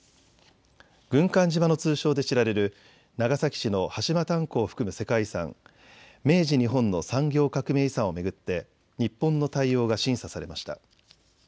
軍艦島の通称で知られる長崎市の端島炭鉱を含む世界遺産、明治日本の産業革命遺産を巡って日本の対応が審査されました。